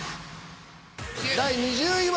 第２０位は。